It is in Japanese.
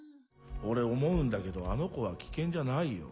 俺思うんだけどあの子は危険じゃないよ。